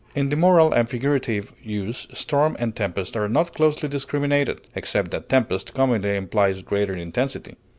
In the moral and figurative use, storm and tempest are not closely discriminated, except that tempest commonly implies greater intensity.